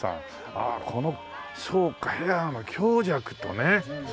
ああこのそうかヘアの強弱とねその雰囲気。